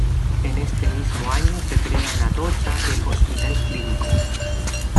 En este mismo año se crea en Atocha el Hospital Clínico.